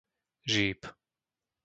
Žíp